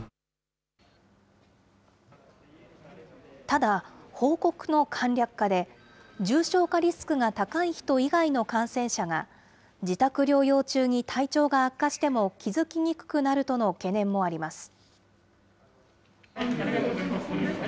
ただ、報告の簡略化で、重症化リスクが高い人以外の感染者が、自宅療養中に体調が悪化しても気付きにくくなるとの懸念もあります。